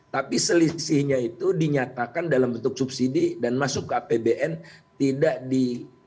tapi selisihnya itu dinyatakan dalam bentuk subsidi dan masuk ke apbn tidak di